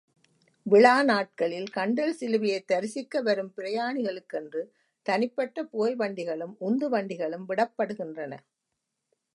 விழா நாட்களில் கண்டல் சிலுவையைத் தரிசிக்க வரும் பிரயாணிகளுக் கென்று, தனிப்பட்ட புகைவண்டிகளும், உந்துவண்டிகளும் விடப்படுகின்றன.